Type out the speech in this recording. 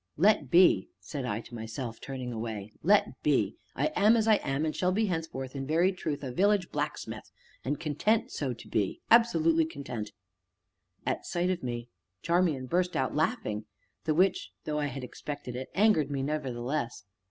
"Let be," said I to myself, turning away, "let be. I am as I am, and shall be henceforth in very truth a village blacksmith and content so to be absolutely content." At sight of me Charmian burst out laughing, the which, though I had expected it, angered me nevertheless.